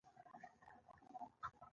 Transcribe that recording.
ازادي راډیو د سیاست بدلونونه څارلي.